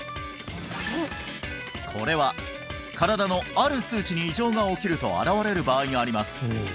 これは身体のある数値に異常が起きると現れる場合があります